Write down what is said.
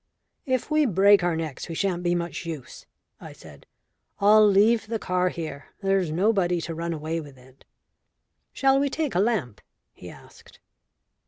"If we break our necks we shan't be much use," I said. "I'll leave the car here. There's nobody to run away with it." "Shall we take a lamp?" he asked.